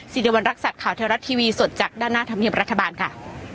สิริวัณรักษัตริย์ข่าวเทวรัฐทีวีสดจากด้านหน้าธรรมเนียบรัฐบาลค่ะ